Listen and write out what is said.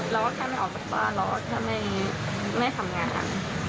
เราก็แค่ไม่ออกจากบ้านเราก็แค่ไม่ทำงานค่ะ